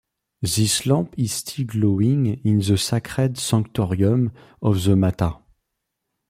This lamp is still glowing in the sacred sanctorium of the Mata.